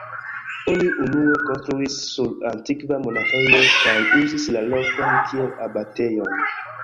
Oni unue konstruis sur antikva monaĥejo kaj uzis la lokon kiel abatejon.